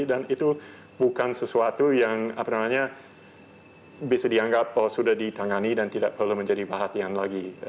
dan itu bukan sesuatu yang bisa dianggap sudah ditangani dan tidak perlu menjadi perhatian lagi